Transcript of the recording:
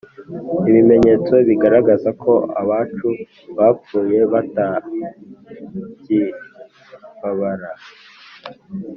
Ibimenyetso bigaragaza ko abacu bapfuye batakibabara